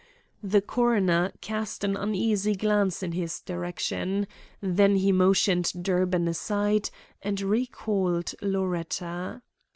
The coroner cast an uneasy glance in his direction; then he motioned Durbin aside and recalled Loretta.